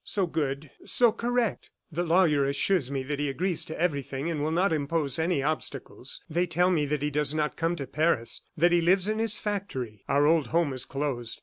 So good ... so correct. The lawyer assures me that he agrees to everything and will not impose any obstacles. They tell me that he does not come to Paris, that he lives in his factory. Our old home is closed.